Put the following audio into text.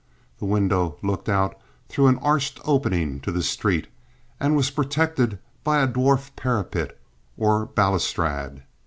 This window looked out through an arched opening to the street, and was protected by a dwarf parapet or balustrade.